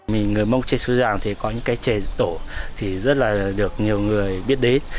mình người mông trẻ suối giang thì có những cây trẻ tổ thì rất là được nhiều người biết đến